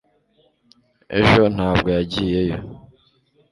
ejo ntabwo yagiyeyo